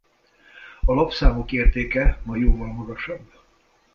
A lapszámok értéke ma jóval magasabb.